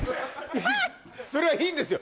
それはいいんですよ